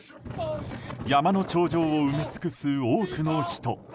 山の頂上を埋め尽くす多くの人。